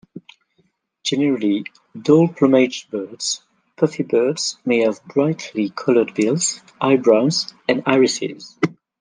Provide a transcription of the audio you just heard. Generally dull-plumaged birds, puffbirds may have brightly colored bills, eyebrows and irises.